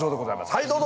はいどうぞ。